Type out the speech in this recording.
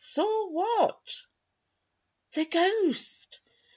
"Saw what?" "The ghost."